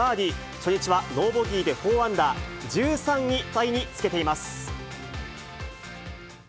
初日はノーボギーで４アンダー、１３位タイにつけています。